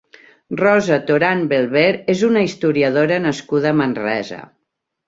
Rosa Toran Belver és una historiadora nascuda a Manresa.